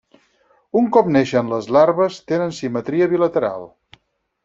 Un cop neixen les larves tenen simetria bilateral.